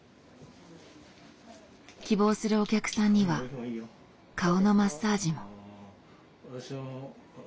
希望するお客さんには顔のマッサージも。